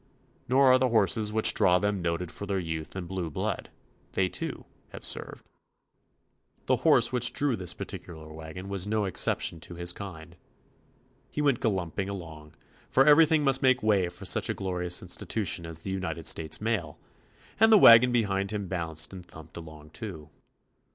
Nor are the horses which draw them noted for their youth and blue blood; they, too, have served. 72 TOMMY POSTOFFICE The horse which drew this partic ular wagon was no exception to his kind. He went "gallumping" along, for everything must make way for such a glorious institution as the r The driver was trying to make up lost time. United States Mail, and the wagon behind him bounced and thumped along too.